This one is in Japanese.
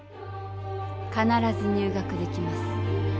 かならず入学できます。